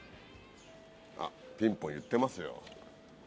ピンポンいってますよ。